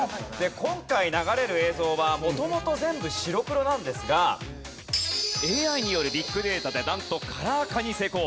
今回流れる映像は元々全部白黒なんですがＡＩによるビッグデータでなんとカラー化に成功。